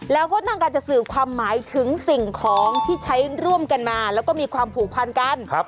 แล้วก็ต้องการจะสื่อความหมายถึงสิ่งของที่ใช้ร่วมกันมาแล้วก็มีความผูกพันกัน